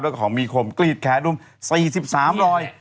และของมีขมกรีดแขน๔๓รอย